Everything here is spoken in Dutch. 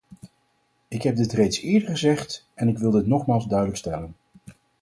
Ik heb dit reeds eerder gezegd, en ik wil dit nogmaals duidelijk stellen.